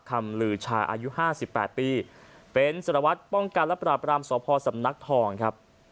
ลือชาอายุ๕๘ปีเป็นสารวัตรป้องกันและปราบรามสพสำนักทองครับ